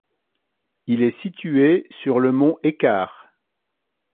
Il est situé sur le mont Ekar.